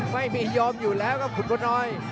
ไม่มียอมอยู่แล้วครับคุณคุณน้อย